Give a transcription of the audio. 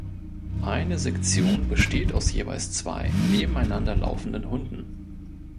Eine Sektion besteht aus jeweils zwei nebeneinander laufenden Hunden.